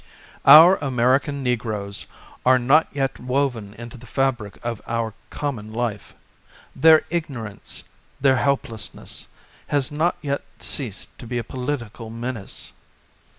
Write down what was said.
Our American negroes are not yet / 43 V Anti SuflFrage woven into the fabric of our common life; their ignorance, their helpless ness, has not yet ceased to be a political menace.